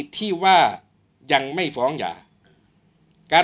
ช่างแอร์เนี้ยคือล้างหกเดือนครั้งยังไม่แอร์